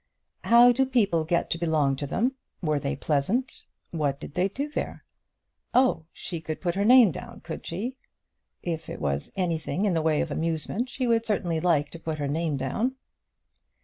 "How did people get to belong to them? Were they pleasant? What did they do there? Oh she could put her name down, could she? If it was anything in the way of amusement she would certainly like to put her name down."